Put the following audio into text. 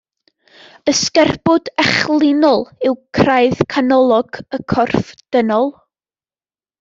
Y sgerbwd echelinol yw craidd canolog y corff dynol